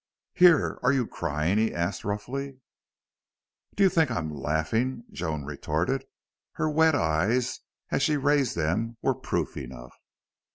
"Here! Are you crying?" he asked, roughly. "Do you think I'm laughing?" Joan retorted. Her wet eyes, as she raised them, were proof enough.